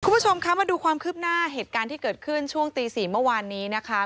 คุณผู้ชมคะมาดูความคืบหน้าเหตุการณ์ที่เกิดขึ้นช่วงตี๔เมื่อวานนี้นะคะ